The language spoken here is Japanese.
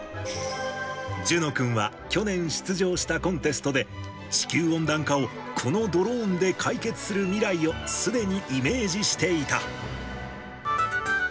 諄之君は去年出場したコンテストで、地球温暖化を、このドローンで解決する未来をすでにイメージしていた。